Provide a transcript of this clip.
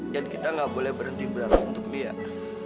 dan kita nggak boleh berhenti berangkat untuk liat